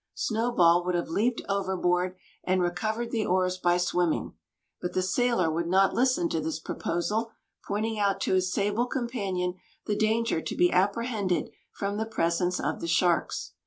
Snowball would have leaped overboard, and recovered the oars by swimming: but the sailor would not listen to this proposal, pointing out to his sable companion the danger to be apprehended from the presence of the sharks.